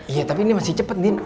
iya tapi ini masih cepet nih